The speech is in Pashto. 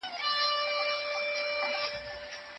هغوی ته د خپل بدن د غړو نومونه وښایئ.